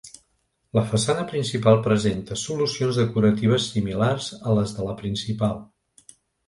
La façana principal presenta solucions decoratives similars a les de la principal.